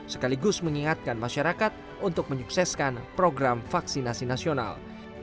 sekaligus mengingatkan masyarakat untuk menyukseskan program vaksinasi nasional